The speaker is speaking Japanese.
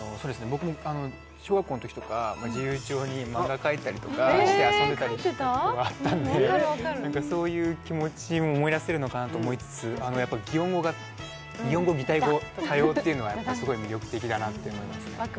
僕も小学校のときとか自由帳にマンガ描いたりして遊んでいたりしたときがあったので、そういう気持ちを思い出せるのかなと思いつつやっぱり擬音語、擬態語が多様ってのは魅力だと思います。